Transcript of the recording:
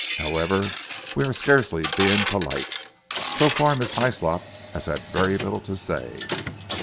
However, we are scarcely being polite. So far, Miss Hyslop has had very little to say."